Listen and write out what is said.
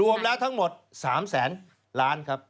รวมแล้วทั้งหมด๓แสนล้านครับ